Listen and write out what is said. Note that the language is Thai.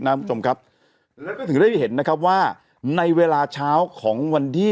คุณผู้ชมครับแล้วก็ถึงได้เห็นนะครับว่าในเวลาเช้าของวันที่